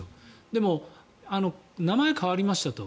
でも、名前変わりましたと。